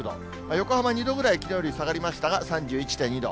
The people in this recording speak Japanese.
横浜２度ぐらいきのうより下がりましたが、３１．２度。